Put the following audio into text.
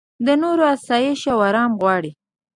د نورو اسایش او ارام غواړې.